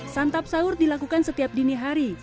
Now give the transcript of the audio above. santap sahur dilakukan setiap dini hari